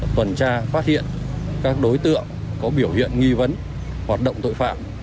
tuần tra phát hiện các đối tượng có biểu hiện nghi vấn hoạt động tội phạm